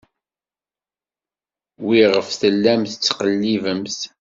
Wiɣef tellamt tettqellibemt?